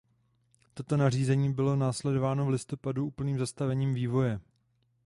Toto nařízení bylo následováno v listopadu úplným zastavením vývoje.